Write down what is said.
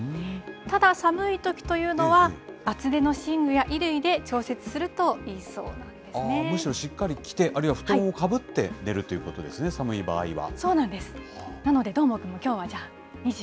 ただ、寒いときというのは、厚手の寝具や衣類で調節するといいそああ、むしろしっかり着て、あるいは、布団をかぶって寝るということですね、寒い場合は。